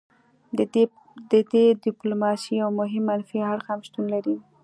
د دې ډیپلوماسي یو مهم منفي اړخ هم شتون لري